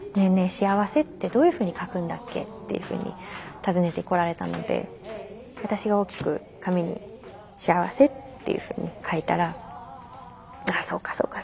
しあわせってどういうふうに書くんだっけ」っていうふうに尋ねてこられたので私が大きく紙に「幸せ」っていうふうに書いたら「ああそうかそうか。